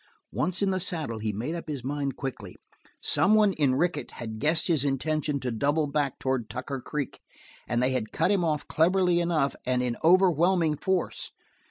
Once in the saddle he made up his mind quickly. Someone in Rickett had guessed his intention to double back toward Tucker Creek, and they had cut him off cleverly enough and in overwhelming force.